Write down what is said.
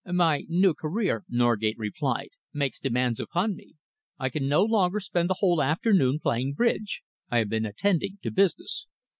"My new career," Norgate replied, "makes demands upon me. I can no longer spend the whole afternoon playing bridge. I have been attending to business."